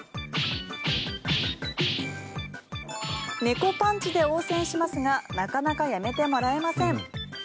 猫パンチで応戦しますがなかなかやめてもらえません。